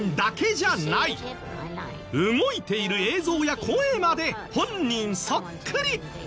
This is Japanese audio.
動いている映像や声まで本人そっくり！